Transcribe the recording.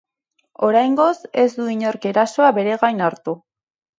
Oraingoz ez du inork erasoa bere gain hartu.